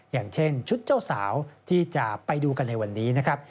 อย่างเช่นชุดเจ้าสาวที่จะไปดูกันในวันนี้นะครับ